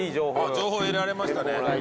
あっ情報得られましたね